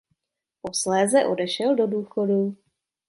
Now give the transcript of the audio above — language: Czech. Posléze odešel do důchodu.